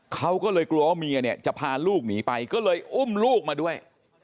เขาก็เลยกลัวว่าเมียเนี่ยจะพาลูกหนีไปก็เลยอุ้มลูกมาด้วย